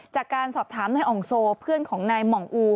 จากการสอบถามนายอ่องโซเพื่อนของนายหม่องอู